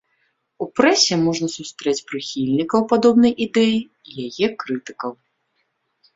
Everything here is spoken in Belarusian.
У прэсе можна сустрэць прыхільнікаў падобнай ідэі і яе крытыкаў.